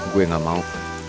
gue gak mau